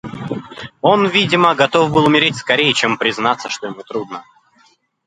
Он, видимо, готов был умереть скорее, чем признаться, что ему трудно.